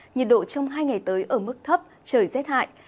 nhiệt độ trong hai ngày tới ở mức thấp trời rét hại